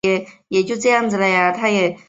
朱一冯攻剿红夷刻石的历史年代为明。